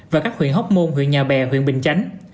và các huyện hóc môn huyện nhà bè huyện bình chánh